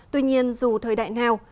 tuy nhiên dù thời đại nào